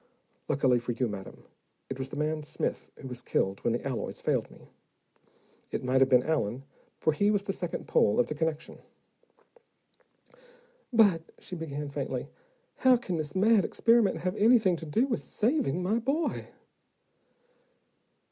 Luckily, for you, madam, it was the man Smith who was killed when the alloys failed me. It might have been Allen, for he was the second pole of the connection." "But," she began faintly, "how can this mad experiment have anything to do with saving my boy?"